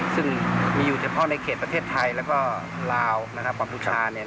ซึ่งมีอยู่เฉพาะในเขตประเทศไทยแล้วก็ลาวกัมพูชา